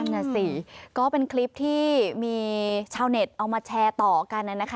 นั่นน่ะสิก็เป็นคลิปที่มีชาวเน็ตเอามาแชร์ต่อกันนะคะ